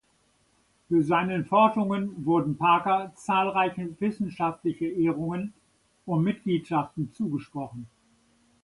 Für seine Forschungen wurden Parker zahlreiche wissenschaftliche Ehrungen und Mitgliedschaften zugesprochen.